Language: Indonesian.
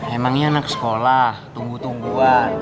emangnya anak sekolah tunggu tungguan